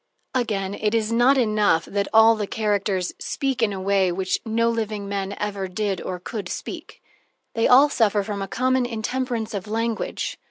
Again, it is not enough that all the characters speak in a way in which no living men ever did or could speak they all suffer from a common intemperance of language.